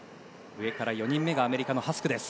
上から４人目がアメリカのハスクです。